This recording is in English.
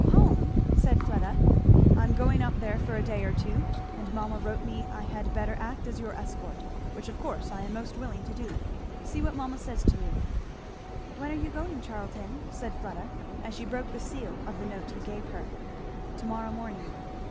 "Home!" said Fleda. "I am going up there for a day or two, and mamma wrote me I had better act as your escort, which of course I am most willing to do. See what mamma says to you." "When are you going, Charlton?" said Fleda as she broke the seal of the note he gave her. "To morrow morning."